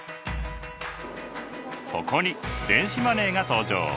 そこに電子マネーが登場。